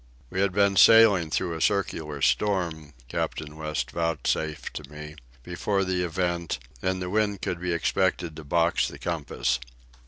We had been sailing through a circular storm, Captain West vouchsafed to me, before the event, and the wind could be expected to box the compass.